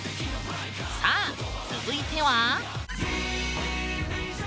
さあ続いては？